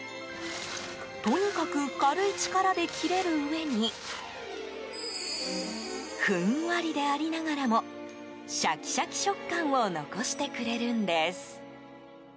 とにかく軽い力で切れるうえにふんわりでありながらもシャキシャキ食感を残してくれるんです。